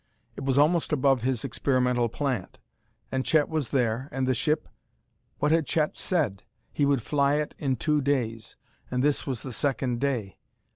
it was almost above his experimental plant! And Chet was there, and the ship.... What had Chet said? He would fly it in two days and this was the second day!